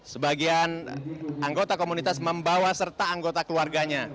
sebagian anggota komunitas membawa serta anggota keluarganya